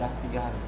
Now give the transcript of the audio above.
ya sudah tiga hari